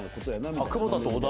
久保田と小田？